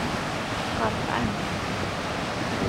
Teqqrefεemt.